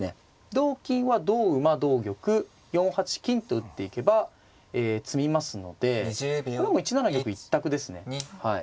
同金は同馬同玉４八金と打っていけば詰みますのでこれはもう１七玉１択ですね。